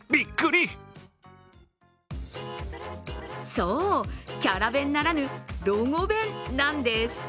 そう、キャラ弁ならぬロゴ弁なんです。